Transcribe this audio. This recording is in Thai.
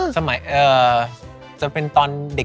สมัยจะเป็นตอนเด็ก